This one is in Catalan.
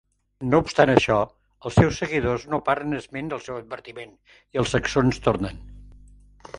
No obstant això, els seus seguidors no paren esment al seu advertiment i els saxons tornen.